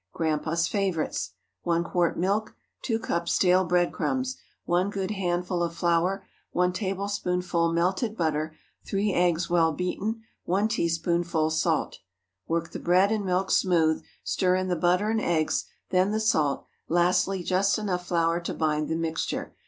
GRANDPA'S FAVORITES. ✠ 1 quart milk. 2 cups stale bread crumbs. 1 good handful of flour. 1 tablespoonful melted butter. 3 eggs, well beaten. 1 teaspoonful salt. Work the bread and milk smooth, stir in the butter and eggs, then the salt, lastly just enough flour to bind the mixture.